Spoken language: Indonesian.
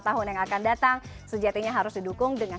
terima kasih sekali lagi teman teman